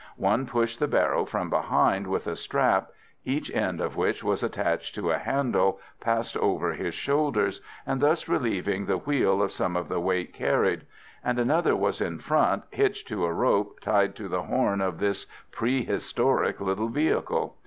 One pushed the barrow from behind, with a strap, each end of which was attached to a handle, passing over his shoulders, and thus relieving the wheel of some of the weight carried; and another was in front, hitched to a rope tied to the horn of this prehistoric little vehicle.